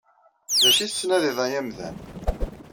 D acu i tettnadiḍ ay amdan?